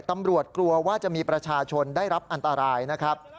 ตำรวจกลัวว่าจะมีประชาชนได้รับอันตรายนะครับ